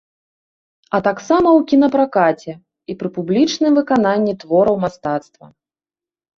А таксама ў кінапракаце і пры публічным выкананні твораў мастацтва.